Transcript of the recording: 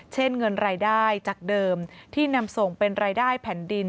เช่นเงินรายได้จากเดิมที่นำส่งเป็นรายได้แผ่นดิน